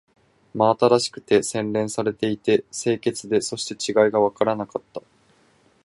真新しくて、洗練されていて、清潔で、そして違いがわからなかった